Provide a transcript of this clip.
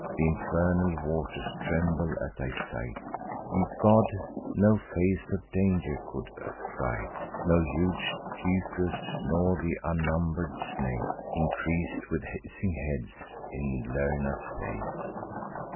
Th' infernal waters trembled at thy sight; Thee, god, no face of danger could affright; Not huge Typhoeus, nor th' unnumber'd snake, Increas'd with hissing heads, in Lerna's lake.